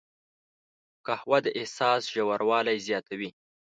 قهوه د احساس ژوروالی زیاتوي